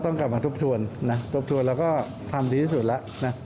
ต้องกลับมาทบทวนนะทบทวนแล้วก็ทำดีที่สุดแล้วนะ